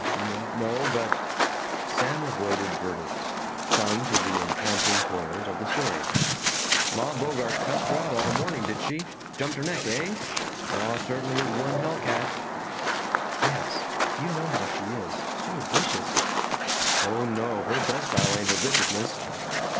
"N no, but " Sam avoided verdicts, clung to the entrancing horrors of the story. "Ma Bogart cussed her out all morning, did she? Jumped her neck, eh? Ma certainly is one hell cat." "Yes, you know how she is; so vicious." "Oh no, her best style ain't her viciousness.